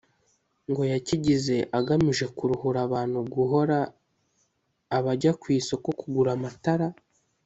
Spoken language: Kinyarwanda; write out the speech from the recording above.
ngo yakigize agamije kuruhura abantu guhora abajya ku isoko kugura amatara